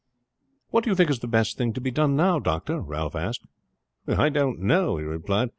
"What do you think is the best thing to be done now doctor?" Ralph asked. "I don't know," he replied.